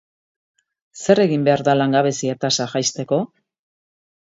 Zer egin behar da langabezia tasa jaisteko?